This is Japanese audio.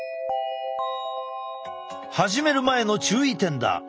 始める前の注意点だ！